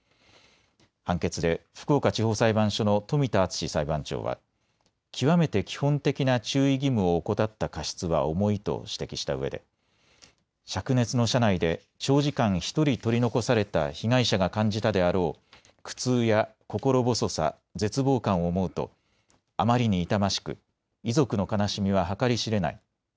判決で福岡地方裁判所の冨田敦史裁判長は極めて基本的な注意義務を怠った過失は重いと指摘したうえで、しゃく熱の車内で長時間１人取り残された被害者が感じたであろう苦痛や心細さ、絶望感を思うとあまりに痛ましく遺族の悲しみは計り知れない。